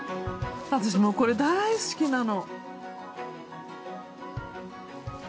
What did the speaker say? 私もうこれ大好きなの。